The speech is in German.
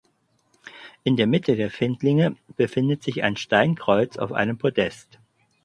In der Mitte der Findlinge befindet sich ein Steinkreuz auf einem Podest.